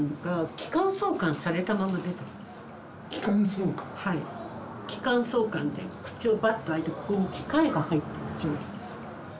気管挿管って口をバッと開いてここに機械が入ってる状態。